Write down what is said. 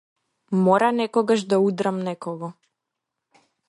Мора некогаш да удрам некого.